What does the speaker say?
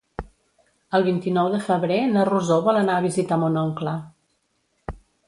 El vint-i-nou de febrer na Rosó vol anar a visitar mon oncle.